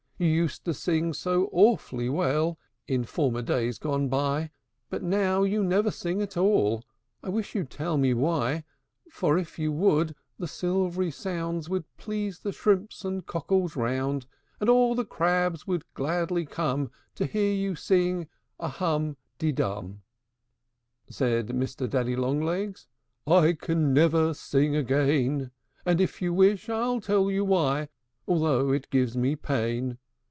You used to sing so awful well In former days gone by; But now you never sing at all: I wish you'd tell me why: For, if you would, the silvery sound Would please the shrimps and cockles round, And all the crabs would gladly come To hear you sing, 'Ah, Hum di Hum!'" V. Said Mr. Daddy Long legs, "I can never sing again; And, if you wish, I'll tell you why, Although it gives me pain.